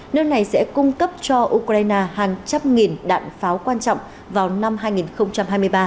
nước này sẽ cung cấp cho ukraine hàng trăm nghìn đạn pháo quan trọng vào năm hai nghìn hai mươi ba